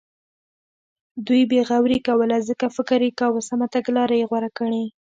دوی بې غوري کوله ځکه فکر یې کاوه سمه تګلاره یې غوره کړې.